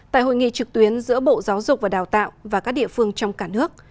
tại hội nghị trực tuyến giữa bộ giáo dục và đào tạo và các địa phương trong cả nước